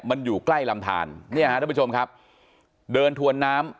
มันอยู่ใกล้ลำทานเนี่ยฮะท่านผู้ชมครับเดินถวนน้ำ